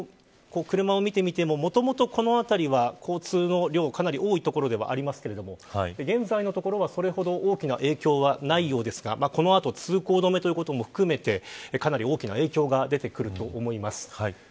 一般の車を見てみてももともと、この辺りは交通の量かなり多い所ではありますけれども現在のところは、それほど大きな影響はないようですがこの後通行止めということも含めてかなり大きな影響が出てくると思います。